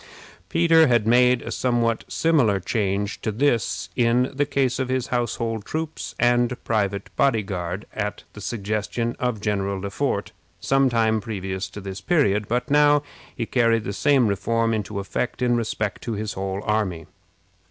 Peter had made a somewhat similar change to this, in the case of his household troops and private body guard, at the suggestion of General Le Fort, some time previous to this period, but now he carried the same reform into effect in respect to his whole army.